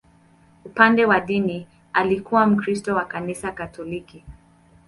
Upande wa dini, alikuwa Mkristo wa Kanisa Katoliki.